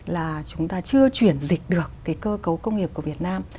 là chúng ta chưa chuyển dịch được cái cơ cấu công nghiệp của việt nam